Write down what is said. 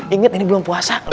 ingat ini belum puasa